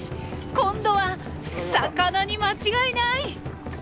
今度は魚に間違いない！